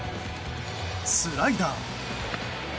スライダー。